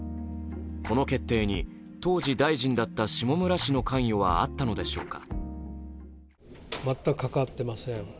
この決定に、当時、大臣だった下村氏の関与はあったのでしょうか。